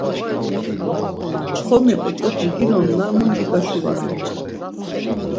Çxomi oç̌opu ginonna mundi gaşuvasen.